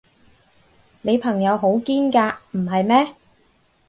你朋友好堅㗎，唔係咩？